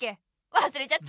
わすれちゃった。